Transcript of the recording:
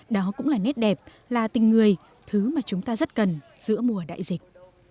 đó cũng là nét đẹp là tình người thứ mà chúng ta rất cần giữa mùa đại dịch